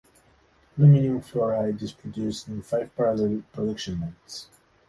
Aluminum fluoride is produced in five parallel production lines.